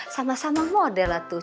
sama sama model lah tuh